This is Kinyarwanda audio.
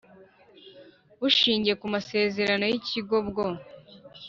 Bushingiye ku masezerano y ikigo bwo